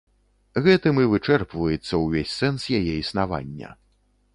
Гэтым і вычэрпваецца ўвесь сэнс яе існавання.